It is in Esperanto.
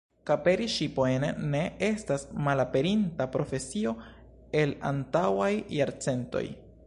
Kaperi ŝipojn ne estas malaperinta profesio el antaŭaj jarcentoj.